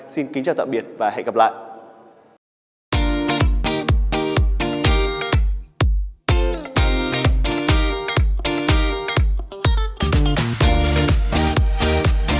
xin kính chào tạm biệt và hẹn gặp lại